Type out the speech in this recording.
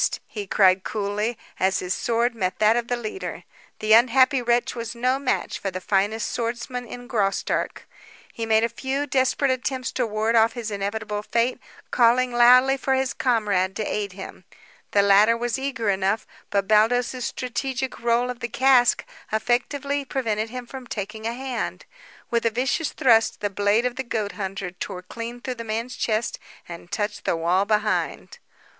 he cried coolly, as his sword met that of the leader. The unhappy wretch was no match for the finest swordsman in Graustark. He made a few desperate attempts to ward off his inevitable fate, calling loudly for his comrade to aid him. The latter was eager enough, but Baldos's strategic roll of the cask effectively prevented him from taking a hand. With a vicious thrust, the blade of the goat hunter tore clean through the man's chest and touched the wall behind.